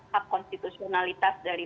hak konstitusionalitas dari